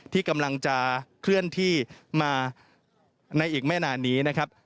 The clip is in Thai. ที่กำลังจะเคลื่อนที่มาในอีกไม่นานนี้นะครับ